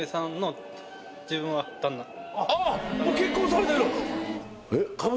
結婚されてる。